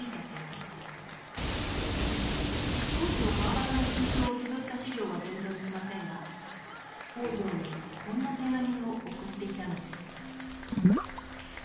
当時の川端の心境をつづった資料は現存しませんが北條にこんな手紙を送っていたのです。